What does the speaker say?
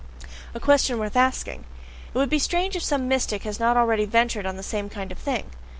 A question worth asking! it would be strange if some mystic has not already ventured on the same kind of thing.